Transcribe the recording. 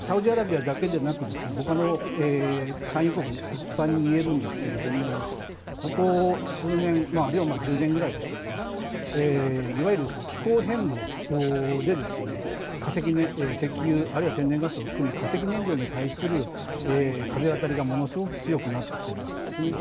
サウジアラビアだけでなく他の産油国一般にいえるんですけどもここ数年あるいは１０年くらいでしょうかいわゆる気候変動で石油、天然ガスを含む化石燃料に対する風当たりがものすごく強くなってきているわけですね。